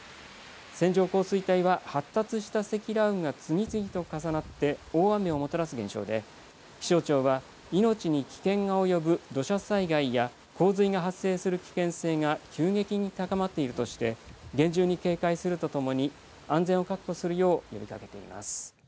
線状降水帯は発達した積乱雲が次々と重なって大雨をもたらす現象で気象庁は命に危険が及ぶ土砂災害や洪水が発生する危険性が急激に高まっているとして厳重に警戒するとともに安全を確保するよう呼びかけています。